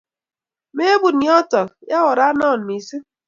Mepun yotok, ya oranna missing'.